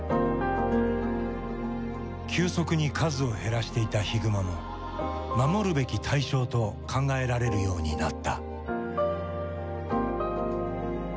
急速に数を減らしていたヒグマも守るべき対象と考えられるようになった。